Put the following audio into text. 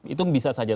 itu bisa saja